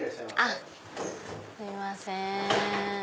あっすいません。